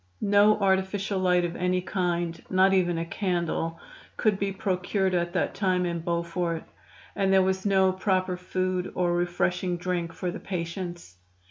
No artificial light of any kind, not even a candle, could be procured at that time in Beaufort, and there was no proper food or refreshing drink for the patients.